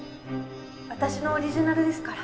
私のオリジナルですから。